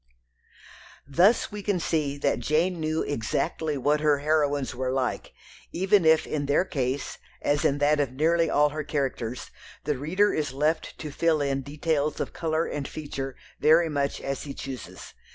Thus we can see that Jane knew exactly what her heroines were like, even if in their case, as in that of nearly all her characters, the reader is left to fill in details of colour and feature very much as he chooses.